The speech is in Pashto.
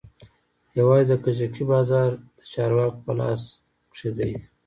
يوازې د کجکي بازار د چارواکو په لاس کښې دى.